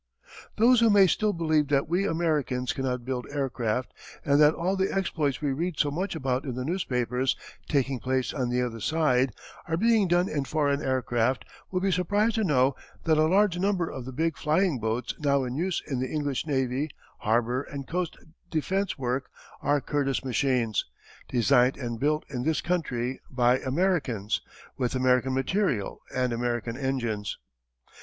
Those who may still believe that we Americans cannot build aircraft and that all the exploits we read so much about in the newspapers taking place on the other side are being done in foreign aircraft will be surprised to know that a large number of the big flying boats now in use in the English navy, harbour, and coast defence work are Curtiss machines, designed and built in this country by Americans, with American material and American engines.